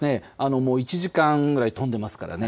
１時間ぐらい飛んでいますからね。